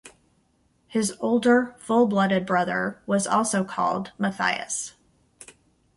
His older full-blooded brother was also called Matthias.